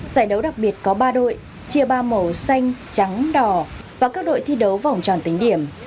giải đấu đặc biệt có ba đội chia ba màu xanh trắng đỏ và các đội thi đấu vòng tròn tính điểm